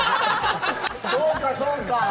そうか、そうか。